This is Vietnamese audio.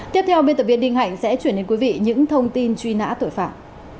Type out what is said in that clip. tiếp theo biên tập viên đinh hạnh sẽ chuyển đến quý vị những thông tin truy nã tội phạm